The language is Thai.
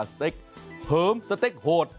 สเต็กเหิมสเต็กโหด